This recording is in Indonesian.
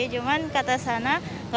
cuma kata sana tidak perlu ada rekomendasi